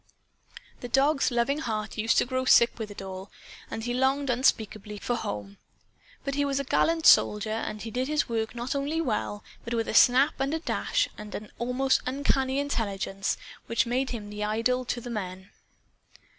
The dog's loving heart used to grow sick with it all; and he longed unspeakably for home. But he was a gallant soldier, and he did his work not only well, but with a snap and a dash and an almost uncanny intelligence which made him an idol to the men.